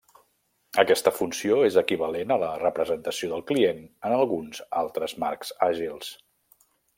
Aquesta funció és equivalent a la representació del client en alguns altres marcs àgils.